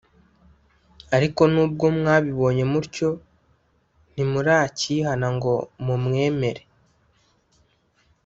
ariko nubwo mwabibonye mutyo ntimurakihana ngo mumwemere